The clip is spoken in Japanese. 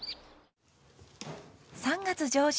３月上旬。